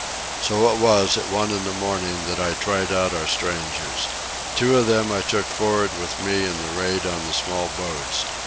So it was, at one in the morning, that I tried out our strangers. Two of them I took for'ard with me in the raid on the small boats.